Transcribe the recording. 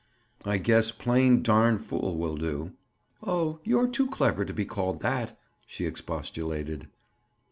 "I guess plain 'darn fool' will do." "Oh, you're too clever to be called that," she expostulated.